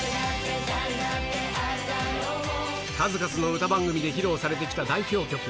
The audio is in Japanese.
数々の歌番組で披露されてきた代表曲。